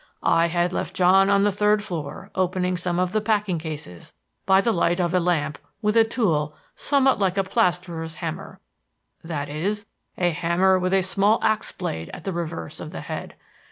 I had left John on the third floor opening some of the packing cases by the light of a lamp with a tool somewhat like a plasterer's hammer; that is, a hammer with a small axe blade at the reverse of the head.